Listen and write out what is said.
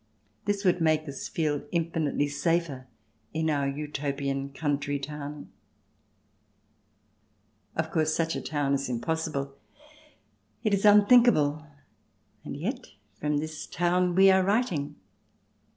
This would make us feel infinitely safer in our Utopian country town. ... Of course, such a town is impossible. It is un thinkable. And yet from this town we are writing.